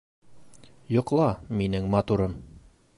Йоҡла, минең матурым!